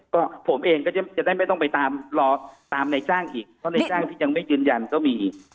ก็ผมเองก็จะได้ไม่ต้องไปตามรอตามในจ้างอีกเพราะในจ้างที่ยังไม่ยืนยันก็มี